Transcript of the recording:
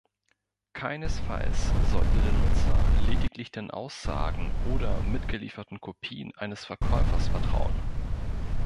Keinesfalls sollte der Nutzer lediglich den Aussagen oder mitgelieferten Kopien eines Verkäufers vertrauen.